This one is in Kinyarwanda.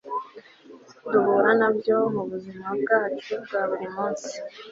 duhura nabyo mubuzima bwacu bwa buri munsi